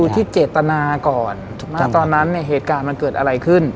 ต้องดูที่เจตนาก่อนตอนนั้นเนี่ยเหตุการณ์มันเกิดอะไรขึ้น